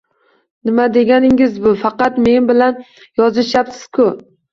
- Nima deganingiz bu, faqat men bilan yozishyapsiz-ku?!